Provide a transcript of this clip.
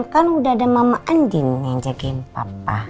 kan udah ada mama andin yang jagain papa